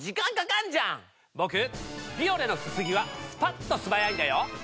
ボクビオレのすすぎはスパっと素早いんだよ！